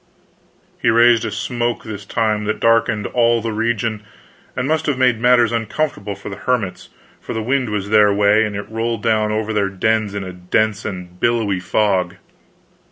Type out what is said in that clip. He raised a smoke this time that darkened all the region, and must have made matters uncomfortable for the hermits, for the wind was their way, and it rolled down over their dens in a dense and billowy fog.